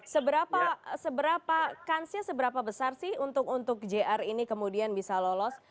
seberapa kansnya seberapa besar sih untuk jr ini kemudian bisa lolos